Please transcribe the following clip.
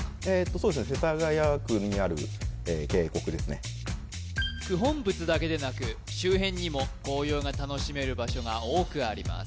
そうですね世田谷区にある渓谷ですね九品仏だけでなく周辺にも紅葉が楽しめる場所が多くあります